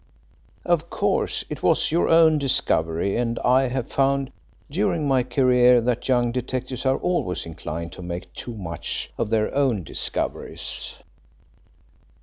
Of course, it was your own discovery, and I have found during my career that young detectives are always inclined to make too much of their own discoveries.